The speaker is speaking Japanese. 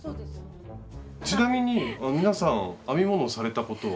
ちなみに皆さん編み物をされたことは？